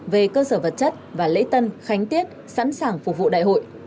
về cơ sở vật chất và lễ tân khánh tiết sẵn sàng phục vụ đại hội